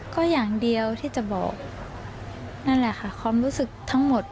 ก็อย่างเดียวที่จะบอกนั่นแหละค่ะความรู้สึกทั้งหมด